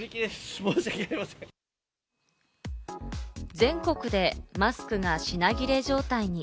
全国でマスクが品切れ状態に。